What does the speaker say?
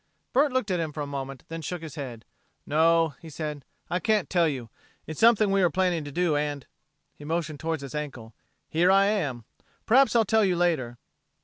Bert looked at him for a moment, then shook his head. "No," he said. "I can't tell you. It's something we were planning to do, and" he motioned towards his ankle "here I am. Perhaps I'll tell you later."